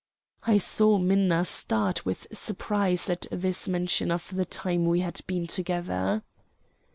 I saw Minna start with surprise at this mention of the time we had been together.